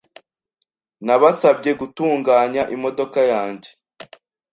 Nabasabye gutunganya imodoka yanjye .